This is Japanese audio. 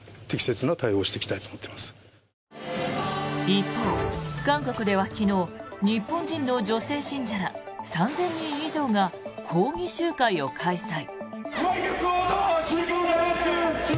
一方、韓国では昨日日本人の女性信者ら３０００人以上が抗議集会を開催。